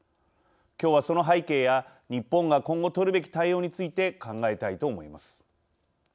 きょうは、その背景や日本が今後取るべき対応について考えたいと思います。